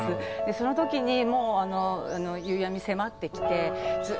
そのときにもうあの夕闇迫ってきて。